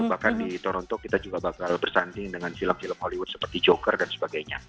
bahkan di toronto kita juga bakal bersanding dengan film film hollywood seperti joker dan sebagainya